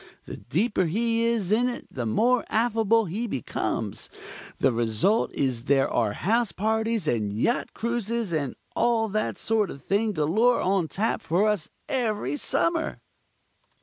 The deeper he is in it the more affable he becomes. The result is there are house parties and yacht cruises and all that sort of thing galore on tap for us every summer."